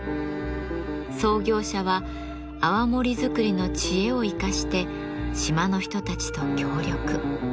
創業者は泡盛づくりの知恵を生かして島の人たちと協力。